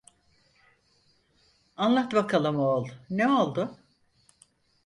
Anlat bakalım oğul ne oldu?